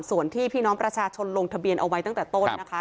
ส่วนที่พี่น้องประชาชนลงทะเบียนเอาไว้ตั้งแต่ต้นนะคะ